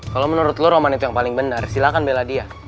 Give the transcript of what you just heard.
kalau menurut lu roman itu yang paling benar silahkan bela dia